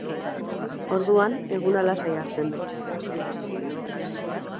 Orduan, eguna lasai hartzen dut.